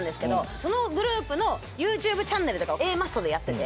そのグループのユーチューブチャンネルとかをＡマッソでやってて。